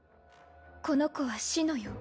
この子は紫乃よ。